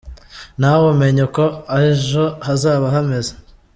Ntawe umenya uko ejo hazaba hameze.